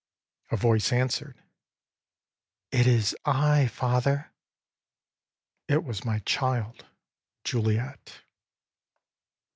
â âA voice answered: ââIt is I, father.â âIt was my child, Juliette.